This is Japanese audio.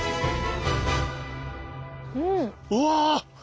うわ！